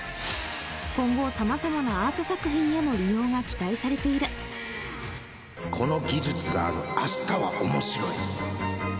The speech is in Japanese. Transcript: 今後さまざまなアート作品への利用が期待されているこの技術がある明日は面白い